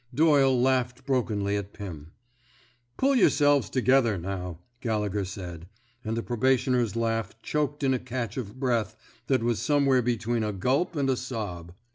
Doyle laughed brokenly at Pim. PuU yourselves together, now," Galle gher said; and the probationer's laugh choked in a catch of breath that was some where between a gulp and a sob.